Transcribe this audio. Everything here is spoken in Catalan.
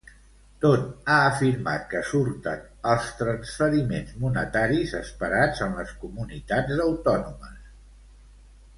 D'on ha afirmat que surten els transferiments monetaris esperats en les comunitats autònomes?